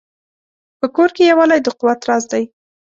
په کور کې یووالی د قوت راز دی.